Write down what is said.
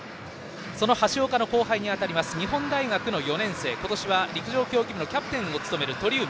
その橋岡の後輩に当たる日本大学の４年生今年は陸上競技部のキャプテンを務める鳥海。